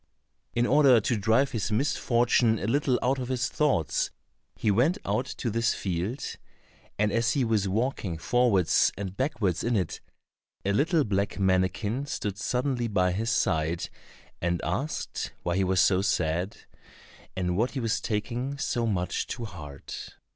In order to drive his misfortune a little out of his thoughts, he went out to this field, and as he was walking forwards and backwards in it, a little black mannikin stood suddenly by his side, and asked why he was so sad, and what he was taking so much to heart.